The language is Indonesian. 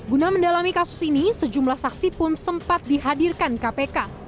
guna mendalami kasus ini sejumlah saksi pun sempat dihadirkan kpk